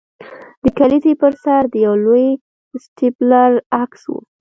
د کلیزې پر سر د یو لوی سټیپلر عکس و